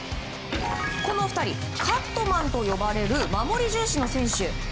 この２人、カットマンと呼ばれる守り重視の選手。